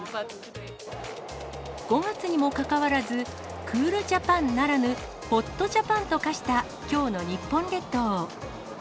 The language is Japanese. ５月にもかかわらず、クールジャパンならぬ、ホットジャパンと化したきょうの日本列島。